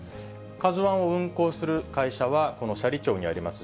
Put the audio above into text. カズワンを運航する会社は、この斜里町にあります